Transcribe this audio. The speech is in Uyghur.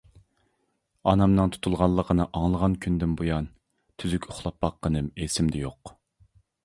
ئانامنىڭ تۇتۇلغانلىقىنى ئاڭلىغان كۈندىن بۇيان، تۈزۈك ئۇخلاپ باققىنىم ئېسىمدە يوق.